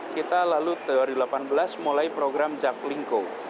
kita lalu dua ribu delapan belas mulai program jaklingko